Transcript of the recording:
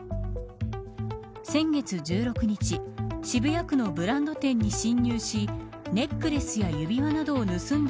先月１６日渋谷区のブランド店に侵入しネックレスや指輪などを盗んだ